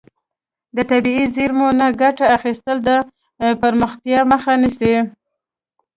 د طبیعي زیرمو نه ګټه اخیستل د پرمختیا مخه نیسي.